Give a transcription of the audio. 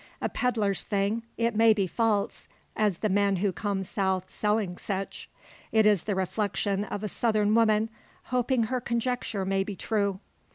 A pedlar's thing, it may be false, as the men who come south selling "sech." It is the reflection of a Southern woman, hoping her conjecture may be true.